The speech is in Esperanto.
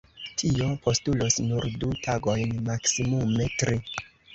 Tio postulos nur du tagojn, maksimume tri.